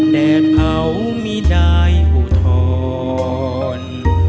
แดดเผามีนายอุทธรณ์